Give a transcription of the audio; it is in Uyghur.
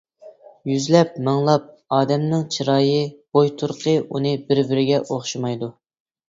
يۈزلەپ-مىڭلاپ ئادەمنىڭ چىرايى، بوي-تۇرقى، ئۈنى بىر-بىرىگە ئوخشىمايدۇ.